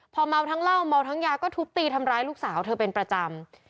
พอเมาทั้งเหล้าเมาทั้งยาก็ทุบตีทำร้ายลูกสาวเธอเป็นประจำ